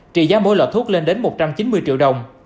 trị giá mỗi loại thuốc lên đến một trăm chín mươi triệu đồng